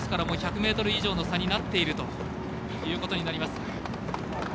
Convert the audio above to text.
１００ｍ以上の差になっているということになります。